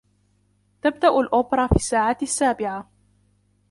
تبدأ الأوبرا في الساعة السابعة.